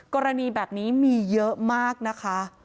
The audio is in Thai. กรณีแบบนี้มีเยอะมากนะคะ